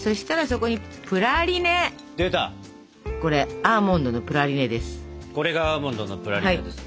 これがアーモンドのプラリネです。